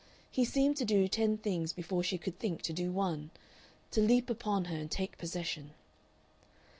He seemed to do ten things before she could think to do one, to leap upon her and take possession.